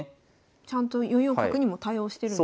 ちゃんと４四角にも対応してるんですね。